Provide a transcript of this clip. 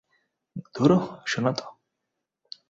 ধুরো, শোনো তো!